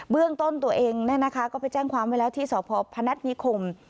เบื้องต้นตัวเองแน่นะคะก็ไปแจ้งความไว้แล้วที่สพนัทนิคม